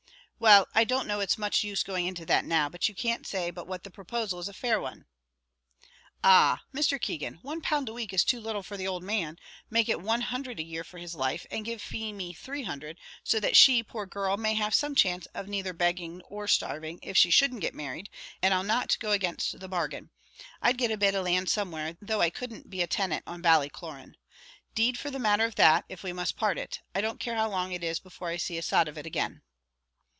"Well, I don't know it's much use going into that now; but you can't say but what the proposal is a fair one." "Ah! Mr. Keegan, £1 a week is too little for the owld man; make it £100 a year for his life, and give Feemy £300, so that she, poor girl, may have some chance of neither begging or starving, if she shouldn't get married, and I'll not go against the bargain. I'd get a bit of land somewhere, though I couldn't be a tenant on Ballycloran. 'Deed for the matter of that, if we must part it, I don't care how long it is before I see a sod of it again."